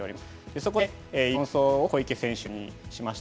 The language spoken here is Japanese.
そこで４走を小池選手にしました。